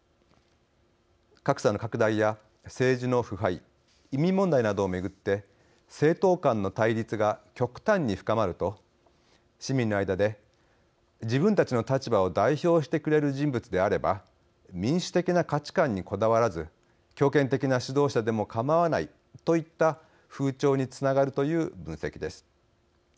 格差の拡大や政治の腐敗移民問題などを巡って政党間の対立が極端に深まると市民の間で、自分たちの立場を代表してくれる人物であれば民主的な価値観にこだわらず強権的な指導者でも構わないといった風潮につながるという分析です。